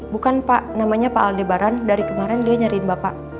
bukan pak namanya pak al debaran dari kemarin dia nyariin bapak